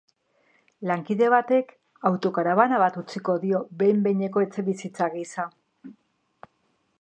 Lankide batek autokarabana bat utziko dio behin-behineko etxebizitza gisa.